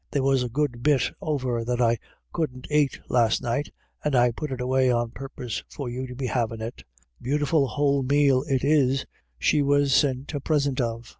There was a good bit over that I couldn't ait last night, and I put it away on purpose/or you to be havin* it Beautiful whole male it is, she was sint a presint of."